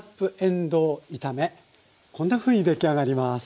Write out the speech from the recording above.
こんなふうに出来上がります。